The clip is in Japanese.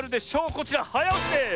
こちらはやおしです！